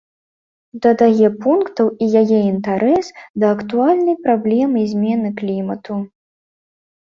Дадае пунктаў і яе інтарэс да актуальнай праблемы змены клімату.